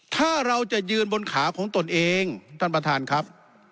ถ้าเราจะยืนบนขาของตนเองท่านประธานครับ